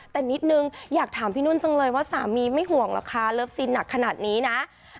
แต่นิดนึงอยากถามพี่นุ่นจังเลยว่าสามีไม่ห่วงหรอกคะเลิฟซีนหนักขนาดนี้นะ